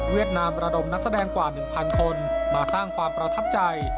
นามระดมนักแสดงกว่า๑๐๐คนมาสร้างความประทับใจ